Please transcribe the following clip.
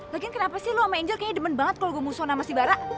lagian kenapa sih lo sama angel kayaknya demen banget kalo gue musuhin sama si bara